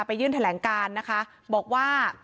ยื่นแถลงการนะคะบอกว่า